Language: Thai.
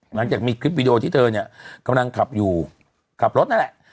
หลังจากมีคลิปวิดีโอที่เธอเนี่ยกำลังขับอยู่ขับรถนั่นแหละ